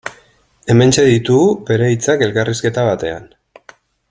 Hementxe ditugu bere hitzak elkarrizketa batean.